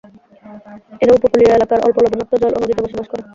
এরা উপকূলীয় এলাকার অল্প লবণাক্ত জল ও নদীতে বসবাস করে।